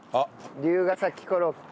「龍ケ崎コロッケ」